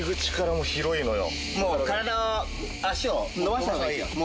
もう体を脚を伸ばした方がいいっすよ。